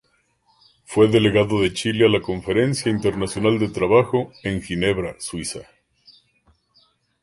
Fue Delegado de Chile a la Conferencia Internacional del Trabajo, en Ginebra, Suiza.